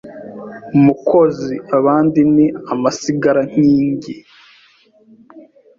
Mukozi abandi ni amasigarankingi